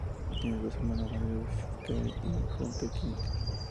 Tiene dos hermanas mayores, Kelli y Hunter King.